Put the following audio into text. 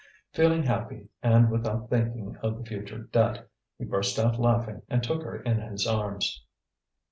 Feeling happy and without thinking of the future debt, he burst out laughing and took her in his arms.